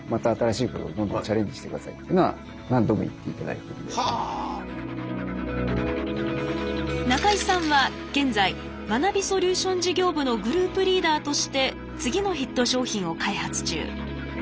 英邦さんに中井さんは現在学びソリューション事業部のグループリーダーとして次のヒット商品を開発中。